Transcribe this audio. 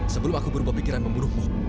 sebelum aku berubah pikiran membunuhmu